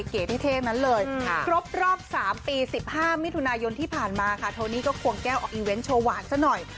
เก๋เท่นั้นเลยครบรอบ๓ปี๑๕มิถุนายนที่ผ่านมาค่ะโทนี่ก็ควงแก้วออกอีเวนต์โชว์หวานซะหน่อย